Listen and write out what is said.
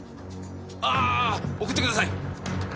ああ送ってください。